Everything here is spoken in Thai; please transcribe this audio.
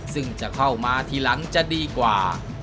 ซึ่งจะเข้ามาทีหลังจะดีกว่า